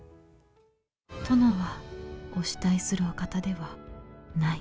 殿はお慕いするお方ではない。